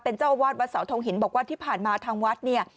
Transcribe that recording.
เจ้าอาวาสวัดเสาทงหินบอกว่าที่ผ่านมาทางวัดเนี่ย